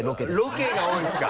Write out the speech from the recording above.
ロケが多いんですか？